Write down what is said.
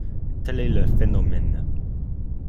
Tel est le phénomène.